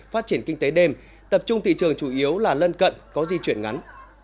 phát triển kinh tế đêm tập trung thị trường chủ yếu là lân cận có di chuyển ngắn